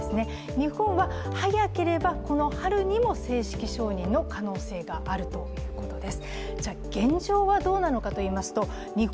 日本は早ければこの春にも正式承認の可能性があるということです。